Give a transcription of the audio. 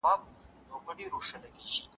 د حق په لاره کي ثابت قدم اوسئ.